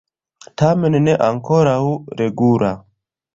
Tamen ne ankoraŭ regula.